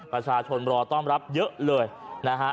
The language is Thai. ประชาชนรอต้อนรับเยอะเลยนะฮะ